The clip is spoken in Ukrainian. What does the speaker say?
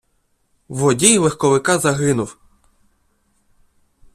Водій легковика загинув.